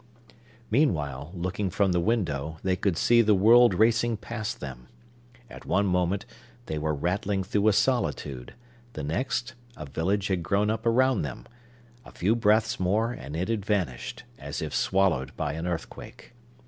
Meanwhile, looking from the window, they could see the world racing past them. At one moment, they were rattling through a solitude; the next, a village had grown up around them; a few breaths more, and it had vanished, as if swallowed by an earthquake.